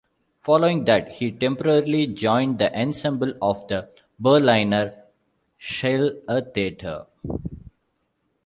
Following that, he temporarily joined the ensemble of the Berliner Schillertheater.